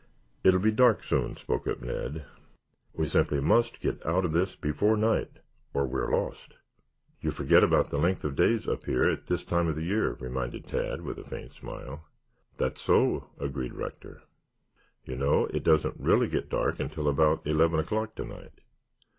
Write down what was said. "It'll be dark soon," spoke up Ned. "We simply must get out of this before night or we are lost." "You forget about the length of the days up here at this time of the year," reminded Tad with a faint smile. "That's so," agreed Rector. "You know it doesn't get really dark until about eleven o'clock to night.